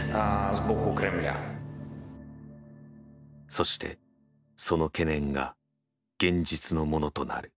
そしてその懸念が現実のものとなる。